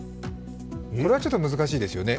これはちょっと難しいですよね。